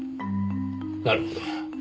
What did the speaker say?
なるほど。